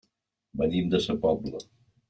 Venim de sa Pobla.